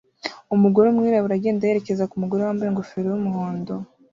Umugore wumwirabura agenda yerekeza kumugore wambaye ingofero yumuhondo